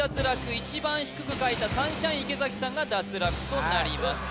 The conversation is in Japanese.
一番低く書いたサンシャイン池崎さんが脱落となります